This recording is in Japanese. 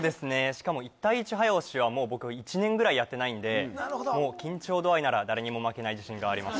しかも１対１早押しはもう僕１年ぐらいやってないんでなるほどもう緊張度合いなら誰にも負けない自信があります